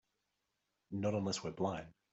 Not unless we're blind.